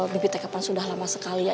bibi tekapan sudah lama sekali ya